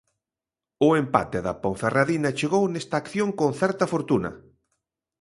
O empate da Ponferradina chegou nesta acción con certa fortuna.